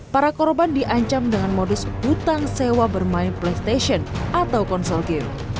para korban diancam dengan modus hutang sewa bermain playstation atau konsol game